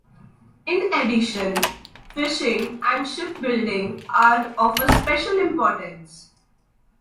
In addition, fishing and shipbuilding are of a special importance.